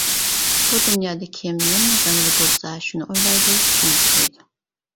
بۇ دۇنيادا كىم نېمىنىڭ غېمىدە بولسا شۇنى ئويلايدۇ، شۇنى چۈشەيدۇ.